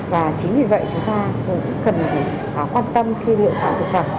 và chính vì vậy chúng ta cũng cần quan tâm khi lựa chọn thực phẩm